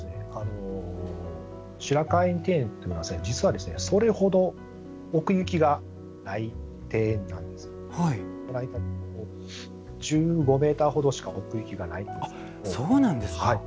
白河院庭園というのは実はそれほど奥行きがない庭園なんですけども１５ｍほどしか奥行きがないんです。